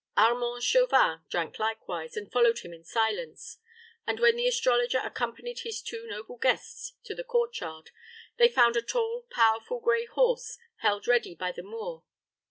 Armand Chauvin drank likewise, and followed him in silence, and when the astrologer accompanied his two noble guests to the court yard, they found a tall, powerful gray horse held ready by the Moor.